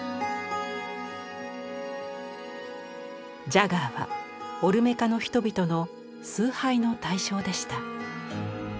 ジャガーはオルメカの人々の崇拝の対象でした。